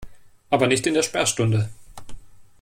Aber nicht in der Sperrstunde.